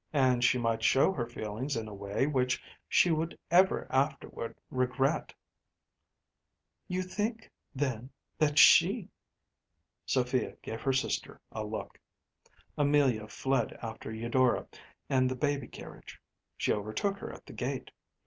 And she might show her feelings in a way which she would ever afterward regret.‚ÄĚ “You think, then, that she ‚ÄĚ Sophia gave her sister a look. Amelia fled after Eudora and the baby carriage. She overtook her at the gate.